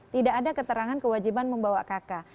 tidak ada keterangan kewajiban membawa kakak